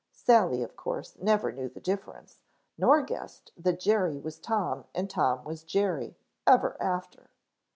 Sally, of course, never knew the difference, nor guessed that Jerry was Tom and Tom was Jerry ever after.